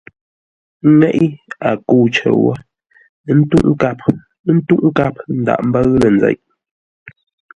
Ŋeʼe, a kə̂u cər wó ə́ tə́uʼ nkâp, ə́ ntə́uʼ nkâp ńdághʼ ḿbə́ʉ lə̂ nzeʼ.